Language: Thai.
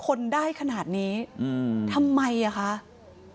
คุณยายบอกว่า๓ทุ่มก่อนเกิดเหตุ